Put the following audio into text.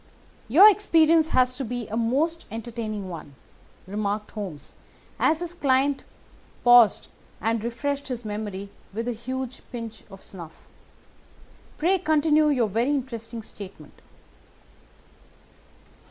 "Your experience has been a most entertaining one," remarked Holmes as his client paused and refreshed his memory with a huge pinch of snuff. "Pray continue your very interesting statement."